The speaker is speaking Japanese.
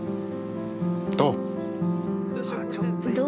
どう？